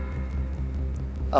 untuk membebaskan raden dari tuduhan